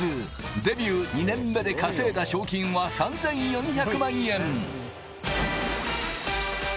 デビュー２年目で稼いだ賞金は３４００万円。